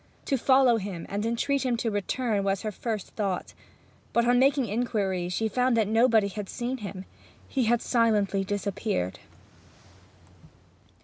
To follow him and entreat him to return was her first thought. But on making inquiries she found that nobody had seen him: he had silently disappeared.